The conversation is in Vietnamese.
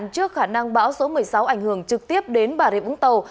trước khả năng bão số một mươi sáu ảnh hưởng trực tiếp đến bà rịa vũng tàu